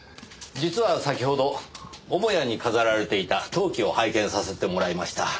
実は先ほど母屋に飾られていた陶器を拝見させてもらいました。